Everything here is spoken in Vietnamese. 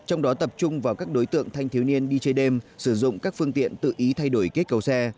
trong đó tập trung vào các đối tượng thanh thiếu niên đi chơi đêm sử dụng các phương tiện tự ý thay đổi kết cầu xe